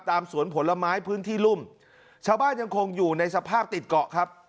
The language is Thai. สวนผลไม้พื้นที่รุ่มชาวบ้านยังคงอยู่ในสภาพติดเกาะครับ